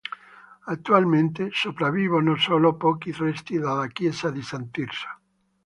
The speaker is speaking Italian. Attualmente sopravvivono solo pochi resti della chiesa di San Tirso.